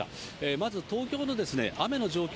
まず東京の雨の状況